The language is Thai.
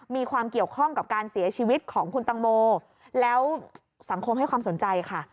มีความเกี่ยวข้องกับการเสียชีวิตของคุณตังโมแล้วสังคมให้ความสนใจค่ะ